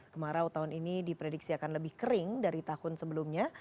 kemarau tahun ini diprediksi akan lebih kering dari tahun sebelumnya